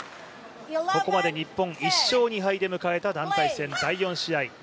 ここまで日本１勝２敗で迎えた第４試合。